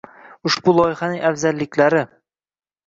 Ushbu loyihaning afzalliklari: